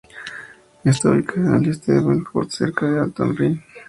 Está ubicada a al este de Belfort, cerca de Alto Rin.